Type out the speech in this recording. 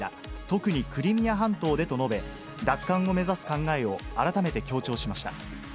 特にクリミア半島でと述べ、奪還を目指す考えを改めて強調しました。